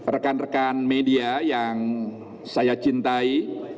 rekan rekan media yang saya cintai